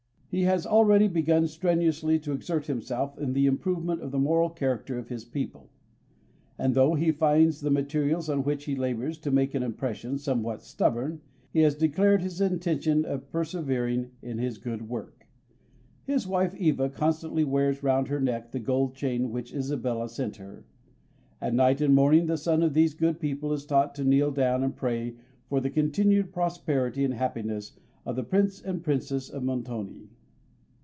He has already begun strenuously to exert himself in the improvement of the moral character of his people; and though he finds the materials on which he labours to make an impression somewhat stubborn, he has declared his intention of persevering in his good work. His wife Eva constantly wears round her neck the gold chain which Isabella sent her; and night and morning the son of these good people is taught to kneel down and pray for the continued prosperity and happiness of the Prince and Princess of Montoni.